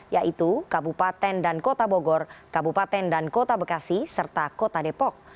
yaitu kabupaten dan kota bogor kabupaten dan kota bekasi serta kota depok